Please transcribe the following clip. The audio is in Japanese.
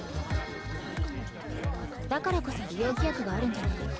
だからこそ利用規約があるんじゃない。